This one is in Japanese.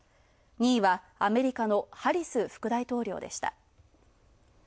２位は、アメリカのハリス副大統領でした。